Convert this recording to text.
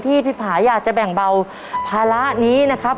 พี่ผาอยากจะแบ่งเบาภาระนี้นะครับ